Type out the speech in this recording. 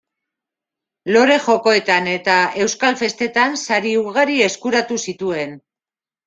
Lore jokoetan eta euskal festetan sari ugari eskuratu zituen.